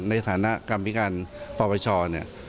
ในฐานะการพิการประวัติชอ